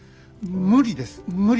無理です無理。